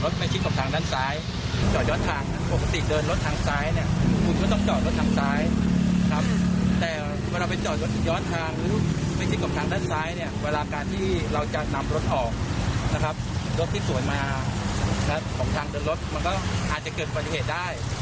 ที่เราจะนำรถออกนะครับรถที่สวยมาอาจจะเกิดบริเวตได้